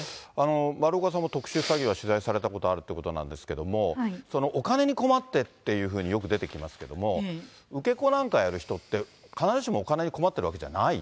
丸岡さんも特殊詐欺は取材されたことあるということなんですけども、お金に困ってっていうふうによく出てきますけども、受け子なんかやる人って、必ずしもお金に困ってるわけじゃない？